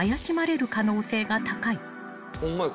ホンマや。